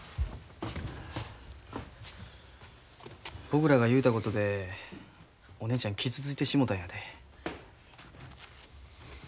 僕らが言うたことでお姉ちゃん傷ついてしもたんやで。